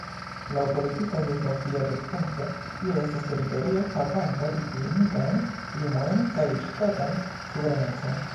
Laŭ politika-geografia vidpunkto, tio estas teritorio havanta difinitajn limojn kaj ŝtatan suverenecon.